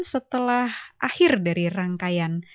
setelah akhir dari rangkaian